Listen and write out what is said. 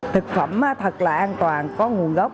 thực phẩm thật là an toàn có nguồn gốc